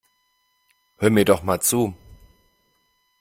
Hör mir doch mal zu.